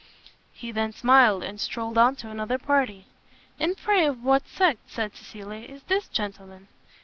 He then smiled, and strolled on to another party. "And pray of what sect," said Cecilia, "is this gentleman?"